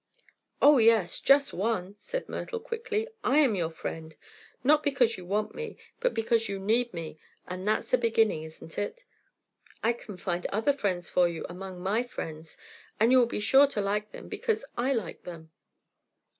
"Oh, yes; just one!" said Myrtle quickly. "I am your friend. Not because you want me, but because you need me. And that's a beginning, isn't it? I can find other friends for you, among my friends, and you will be sure to like them because I like them."